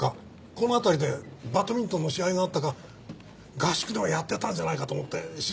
この辺りでバドミントンの試合があったか合宿でもやってたんじゃないかと思って調べてみたんですね。